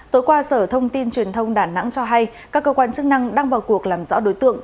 tối qua sở thông tin truyền thông đà nẵng cho hay các cơ quan chức năng đang vào cuộc làm rõ đối tượng